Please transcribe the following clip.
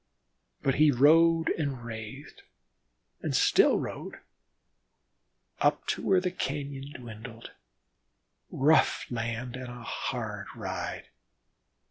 But he rode and wrathed and still rode, up to where the cañon dwindled rough land and a hard ride.